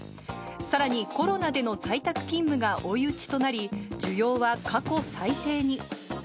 さらにコロナでの在宅勤務が追い打ちとなり、需要は過去最低に。